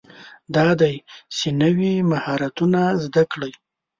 دا دی چې نوي مهارتونه زده کړئ.